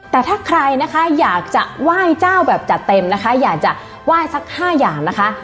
แต่ถ้าใครนะคะอยากจะไหว้เจ้าแบบจัดเต็มนะคะอยากจะไหว้สัก๕อย่างนะคะ